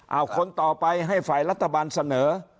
เอาคนต่อไปให้ฝ่ายรัฐบาลเสนอ